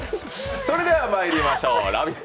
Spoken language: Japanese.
それではまいりましょう、「ラヴィット！」